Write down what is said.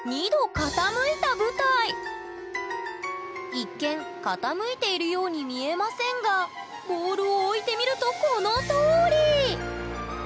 一見傾いているように見えませんがボールを置いてみるとこのとおり！